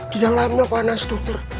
di dalamnya panas dokter